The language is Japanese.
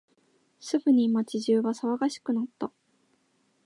すぐに街中は騒がしくなった。